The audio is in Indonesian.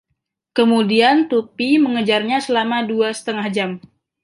Kemudian Tuppy mengejarnya selama dua setengah jam.